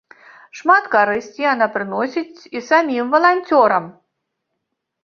Шмат карысці яна прыносіць і самім валанцёрам!